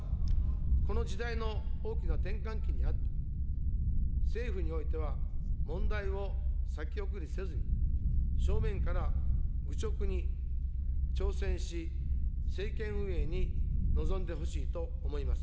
この時代の大きな転換期にあって、政府においては、問題を先送りせずに、正面から愚直に挑戦し、政権運営に臨んでほしいと思います。